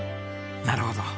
なるほど。